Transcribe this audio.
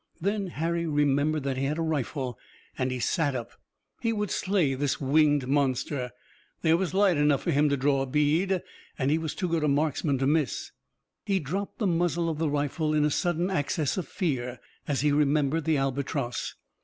Then Harry remembered that he had a rifle, and he sat up. He would slay this winged monster. There was light enough for him to draw a bead, and he was too good a marksman to miss. He dropped the muzzle of the rifle in a sudden access of fear as he remembered the albatross.